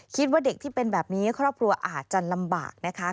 คิดว่าเด็กที่เป็นแบบนี้ครอบครัวอาจจะลำบากนะคะ